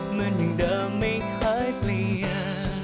เหมือนเดิมไม่เคยเปลี่ยน